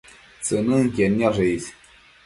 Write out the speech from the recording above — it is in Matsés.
tsënënquied nioshe is